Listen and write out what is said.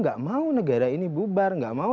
gak mau negara ini bubar nggak mau